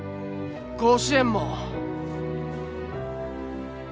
甲子園も。